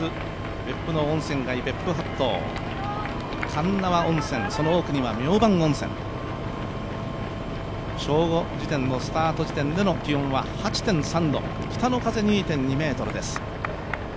別府の温泉街、鉄輪温泉、その奥には明礬温泉正午時点のスタート地点での気温は８．３度、北の風２．２ｍです。